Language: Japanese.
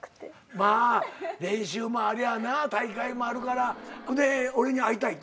まあ練習もありゃな大会もあるからで俺に会いたいって？